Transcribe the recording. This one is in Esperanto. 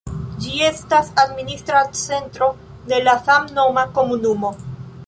Ĝi estas administra centro de la samnoma komunumo.